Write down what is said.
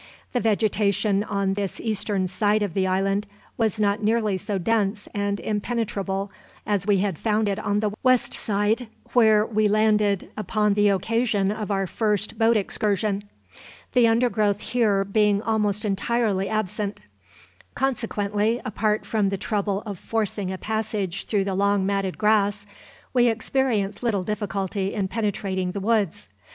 The vegetation on this eastern side of the island was not nearly so dense and impenetrable as we had found it on the west side, where we landed upon the occasion of our first boat excursion, the undergrowth here being almost entirely absent; consequently, apart from the trouble of forcing a passage through the long matted grass, we experienced little difficulty in penetrating the woods.